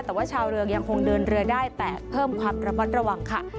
แต่ว่าชาวเรืองยังคงเดินเรือได้แต่เพิ่มความระมัดระวังค่ะ